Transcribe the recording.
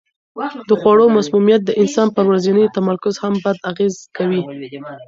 د خوړو مسمومیت د انسان پر ورځني تمرکز هم بد اغېز کوي.